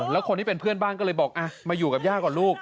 แล้วคนที่เป็นเพื่อนบ้านก็เลยบอกมาอยู่กับย่าก่อนลูก